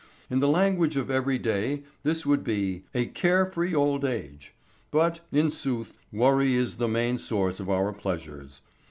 In the language of every day this would be: a care free old age. But, in sooth, worry is the main source of our pleasures.